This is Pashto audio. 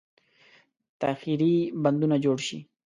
تاخیري بندونه جوړ شي.